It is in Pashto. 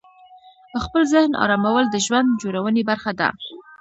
خپل ذهن آرامول د ژوند جوړونې برخه ده.